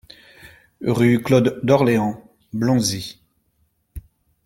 Rue Claude Dorleans, Blanzy